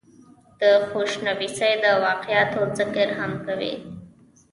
دَخوشنويسۍ دَواقعاتو ذکر هم کوي ۔